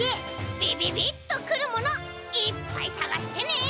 びびびっとくるものいっぱいさがしてね！